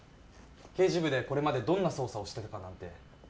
刑事部でこれまでどんな捜査をしてたかなんて